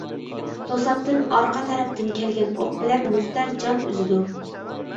توساتتىن ئارقا تەرەپتىن كەلگەن ئوق بىلەن مۇختەر جان ئۈزىدۇ.